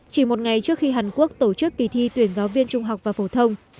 chỉ một ngày trước khi hàn quốc tổ chức kỳ thi tuyển giáo viên trung học và phổ thông